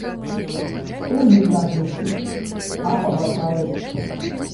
Што ні кажыце, а паважаюць!